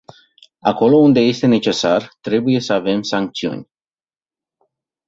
Acolo unde este necesar, trebuie să avem sancțiuni.